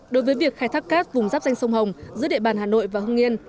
đối với việc khai thác cát vùng giáp danh sông hồng giữa địa bàn hà nội và hưng yên